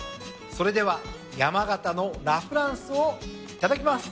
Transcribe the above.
それでは山形のラ・フランスをいただきます。